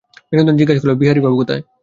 বিনোদিনী জিজ্ঞাসা করিল, বিহারীবাবু কোথায়!